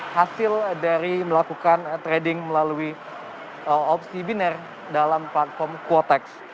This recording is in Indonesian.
hasil dari melakukan trading melalui opsi biner dalam platform quotex